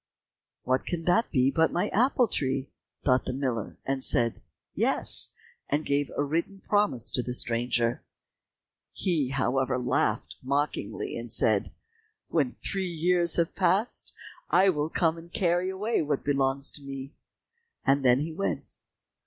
"What can that be but my apple tree?" thought the miller, and said, "Yes," and gave a written promise to the stranger. He, however, laughed mockingly and said, "When three years have passed, I will come and carry away what belongs to me," and then he went.